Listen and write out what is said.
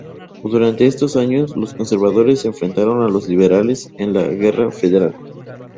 Durante estos años los conservadores se enfrentaron a los liberales en la Guerra Federal.